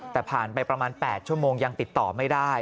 แต่ผ่านไปประมาณ๘ชั่วโมงยังติดต่อไม่ได้